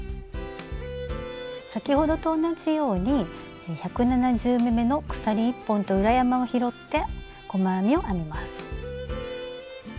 先ほどと同じように１７０目めの鎖１本と裏山を拾って細編みを編みます。